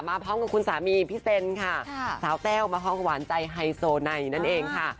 พร้อมกับคุณสามีพี่เซนค่ะสาวแต้วมาพร้อมกับหวานใจไฮโซไนนั่นเองค่ะ